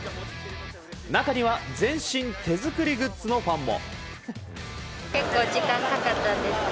中には全身手作りグッズのファンも。